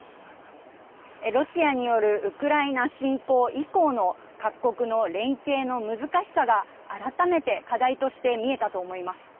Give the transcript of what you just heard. ロシアによるウクライナ侵攻以降の各国の連携の難しさが改めて課題として見えたと思います。